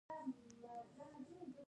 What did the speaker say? ایا له ماشومانو سره وینئ؟